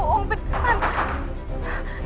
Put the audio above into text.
ndi tolong cepetan kesini ndi